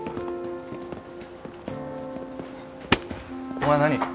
お前何？